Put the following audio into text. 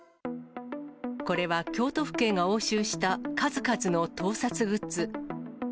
これは京都府警が押収した、数々の盗撮グッズ。